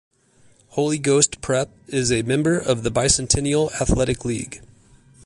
Holy Ghost Prep is a member of the Bicentennial Athletic League.